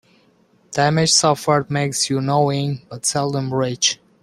Damage suffered makes you knowing, but seldom rich.